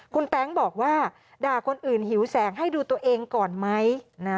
คุณแต๊งบอกว่าด่าคนอื่นหิวแสงให้ดูตัวเองก่อนไหม